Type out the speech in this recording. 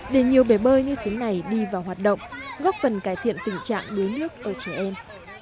để nhiều bể bơi như thế này đi vào hoạt động góp phần cải thiện tình trạng đuối nước ở trẻ em